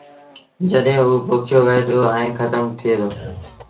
جڏهيݩٚ اوٚ پوکيو وهي دو ائيٚݩٚ کتم ٿئي دو